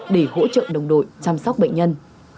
để hỗ trợ đồng đội chăm sóc bệnh nhân